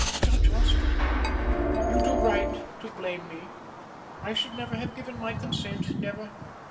"Judge Ostrander, you do right to blame me. I should never have given my consent, never.